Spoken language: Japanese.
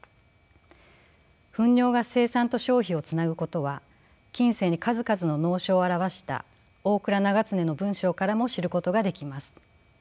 糞尿が生産と消費をつなぐことは近世に数々の農書を著した大蔵永常の文章からも知ることができます。